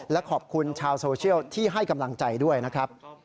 และขอบคุณชาวโซเชียลที่ให้กำลังใจด้วยนะครับ